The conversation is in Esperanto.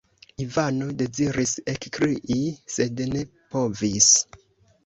Ivano deziris ekkrii, sed ne povis.